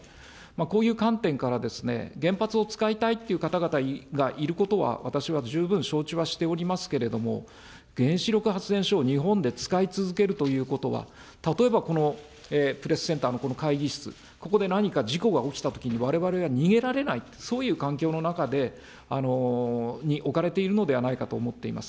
こういう観点から、原発を使いたいっていう方々がいることは、私は十分承知はしておりますけれども、原子力発電所を日本で使い続けるということは、例えばこのプレスセンターのこの会議室、ここで何か事故が起きたときに、われわれが逃げられないって、そういう環境の中に置かれているのではないかと思っています。